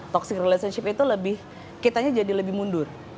toxic relationship itu lebih kitanya jadi lebih mundur